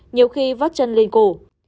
nhiều khi vắt chân lên cổ